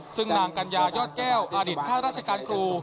ซึ่งนางกัญญายอดแก้วอดีตข้าราชการครู